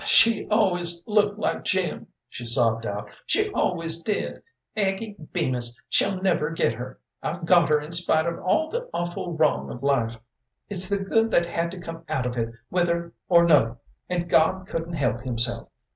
"She always looked like Jim," she sobbed out; "she always did. Aggie Bemis shall never get her. I've got her in spite of all the awful wrong of life; it's the good that had to come out of it whether or no, and God couldn't help Himself.